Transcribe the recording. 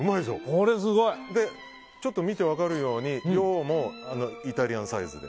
これすごい！ちょっと見て分かるように量もイタリアンサイズで。